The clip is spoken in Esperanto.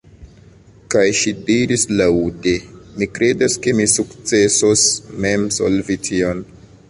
Kaj ŝi diris laŭte: "Mi kredas ke mi sukcesos mem solvi tion."